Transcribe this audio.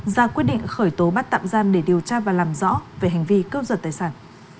ra quyết định khởi tố bắt tạm giam để điều tra và làm rõ về hành vi cướp giật tài sản